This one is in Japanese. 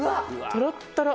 とろっとろ。